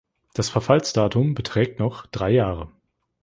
Das Verfallsdatum beträgt noch drei Jahre.